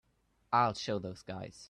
I'll show those guys.